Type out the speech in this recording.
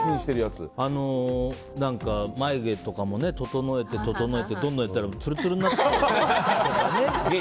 眉毛とかも整えて、整えてどんどんやってたらつるつるになっちゃってとかね。